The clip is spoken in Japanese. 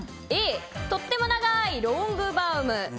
Ａ、とっても長いロングバウム。